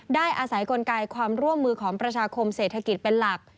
ได้อาศัยกลไกความร่วมมือของประชาคมเศรษฐกิจเป็นหลัก